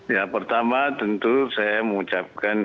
ya pertama tentu saya mengucapkan